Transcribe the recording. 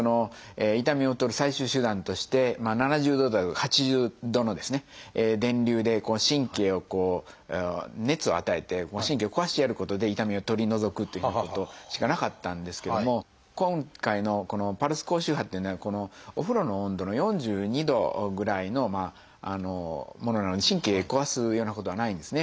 痛みを取る最終手段として７０度台とか８０度の電流で神経を熱を与えて神経を壊してやることで痛みを取り除くっていうようなことしかなかったんですけども今回のこのパルス高周波っていうのはお風呂の温度の４２度ぐらいのものなので神経壊すようなことはないんですね。